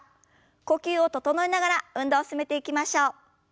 呼吸を整えながら運動を進めていきましょう。